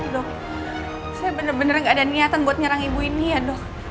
dok saya benar benar gak ada niatan buat nyerang ibu ini ya dok